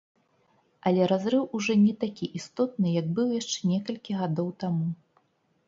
Але разрыў ужо не такі істотны, як быў яшчэ некалькі гадоў таму.